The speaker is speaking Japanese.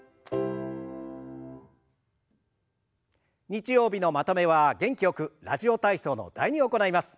日曜日のまとめは元気よく「ラジオ体操」の「第２」を行います。